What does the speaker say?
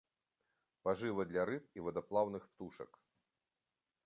Пажыва для рыб і вадаплаўных птушак.